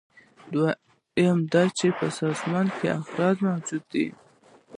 دریم دا چې په سازمان کې افراد موجود وي.